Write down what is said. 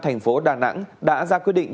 thành phố đà nẵng đã ra quy định